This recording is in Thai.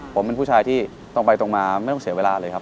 ผมเป็นผู้ชายที่ตรงไปตรงมาไม่ต้องเสียเวลาเลยครับ